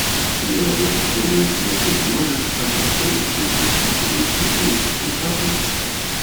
Для этого потребуется решить множество как политических, так и технических вопросов.